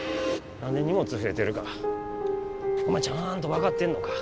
何で荷物増えてるかお前ちゃんと分かってんのか？